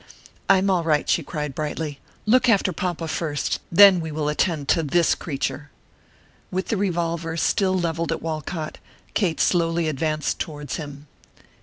"I am all right," she cried, brightly; "look after papa, first; then we will attend to this creature." With the revolver still levelled at Walcott, Kate slowly advanced towards him.